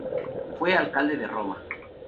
Fue Alcalde de Roma.